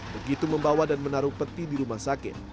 begitu membawa dan menaruh peti di rumah sakit